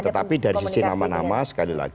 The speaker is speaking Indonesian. tapi dari sisi nama nama